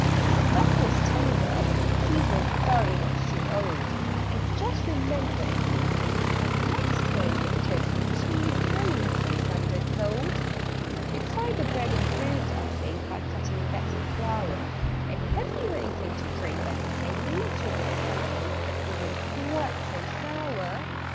"The duck was tender, but the peas Were very much too old: And just remember, if you please, The next time you have toasted cheese, Don't let them send it cold. "You'd find the bread improved, I think, By getting better flour: And have you anything to drink That looks a little less like ink, And isn't quite so sour?"